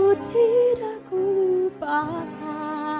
tetapi kau tak lupa ku